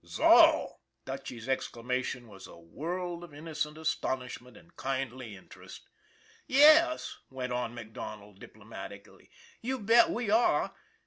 " So !" Dutchy 's exclamation was a world of in nocent astonishment and kindly interest. '' Yes," went on MacDonald, diplomatically. ' You bet we are.